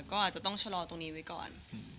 ก็อาจจะต้องชะลอตรงนี้ไว้ก่อน